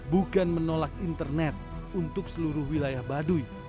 bukan menolak internet untuk seluruh wilayah baduy